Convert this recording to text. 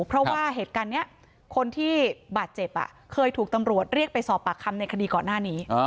เพราะว่าเหตุการณ์นี้คนที่บาดเจ็บเคยถูกตำรวจเรียกไปสอบปากคำในคดีก่อนหน้านี้